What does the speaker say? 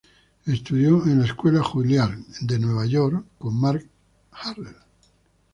Estudió en la "Juilliard School" de New York con Mack Harrell.